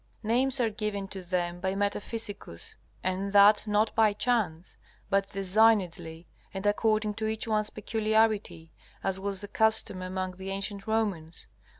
Names are given to them by Metaphysicus, and that not by chance, but designedly, and according to each one's peculiarity, as was the custom among the ancient Romans.